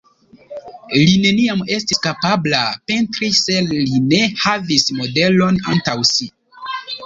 Li neniam estis kapabla pentri se li ne havis modelon antaŭ si.